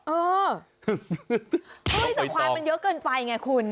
เออใช่แต่ควายมันเยอะเกินไปไงคุณ